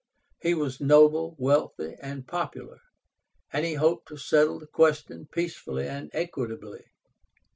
He was noble, wealthy, and popular, and he hoped to settle the question peacefully and equitably.